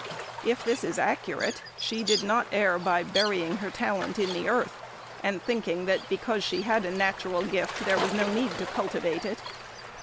If this is accurate, she did not err by burying her talent in the earth, and thinking that because she had a natural gift there was no need to cultivate it.